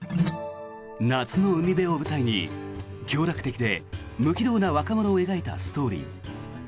夏の海辺を舞台に享楽的で無軌道な若者を描いたストーリー。